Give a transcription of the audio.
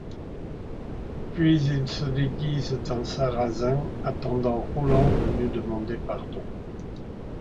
Puis ils se déguisent en Sarrasins, attendant Roland venu demander pardon.